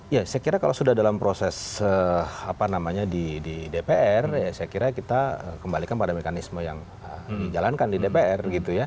ya saya kira kalau sudah dalam proses di dpr saya kira kita kembalikan pada mekanisme yang dijalankan di dpr